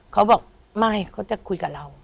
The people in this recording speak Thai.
เขาบอกไม่เขาจะคุยกับเรา